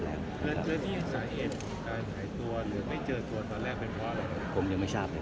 แล้วที่สายเอ็มได้ถ่ายตัวหรือไม่เจอตัวตอนแรกเป็นเพราะอะไร